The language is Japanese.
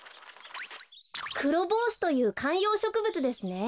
クロボウシというかんようしょくぶつですね。